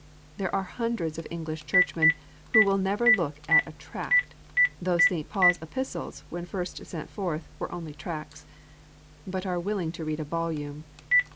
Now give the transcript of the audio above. There are hundreds of English Churchmen who will never look at a tract (though St. Paul s Epistles, when first sent forth, were only tracts), but are willing to read a volume.